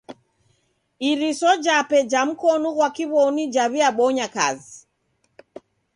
Iriso jape ja mkonu ghwa kiw'omi jaw'iabonya kazi.